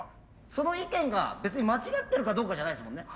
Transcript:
その意見が別に間違ってるかどうかじゃないんですもんね。